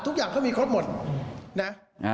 ทุกอย่างเขามีครบหมดนะ